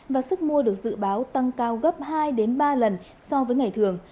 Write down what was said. và sức mua được dự báo tăng cao gấp hai ba lần so với ngày thường